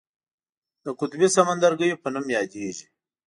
د قطبي سمندرګیو په نوم یادیږي.